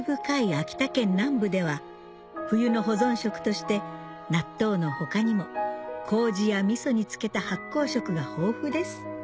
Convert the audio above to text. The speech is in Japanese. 秋田県南部では冬の保存食として納豆の他にも麹やみそに漬けた発酵食が豊富です